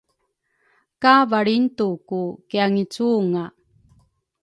ka valringtuku kiangicunga.